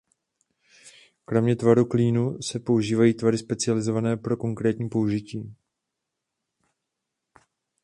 Kromě tvaru klínu se používají tvary specializované pro konkrétní použití.